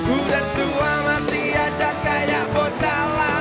udah tua masih aja kayak bocah lah